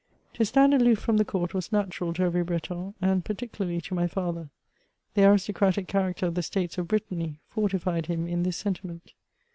To stand aloof ft'om the court was natural to every Breton, and particularly to my father. The aristocratic character of the States of Brittany fortified him in this sentiment.